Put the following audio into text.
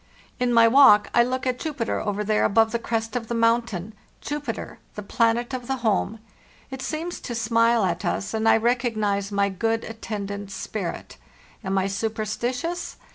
"In my walk I look at Jupiter over there above the crest of the mountain — Jupiter, the planet of the home; it seems to smile at us, and I recognize my good at tendant spirit. Am I superstitious?